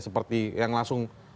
seperti yang langsung